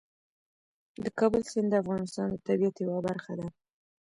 د کابل سیند د افغانستان د طبیعت یوه برخه ده.